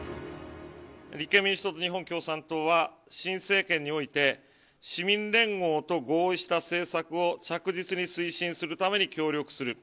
立憲民主党と日本共産党は、新政権において、市民連合と合意した政策を着実に推進するために協力する。